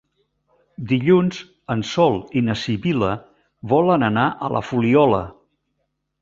Dilluns en Sol i na Sibil·la volen anar a la Fuliola.